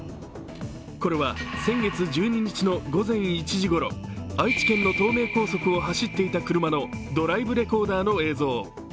これは先月１２日の午前１時ごろ、愛知県の東名高速を走っていた車のドライブレコーダーの映像。